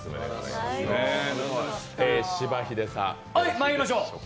まいりましょう。